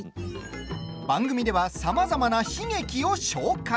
番組では、さまざまな悲劇を紹介。